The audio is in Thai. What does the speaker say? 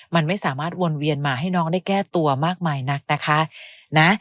มันไม่สามารถวนเวียนมาให้น้องได้แก้ตัวมากมายนักนะคะนะ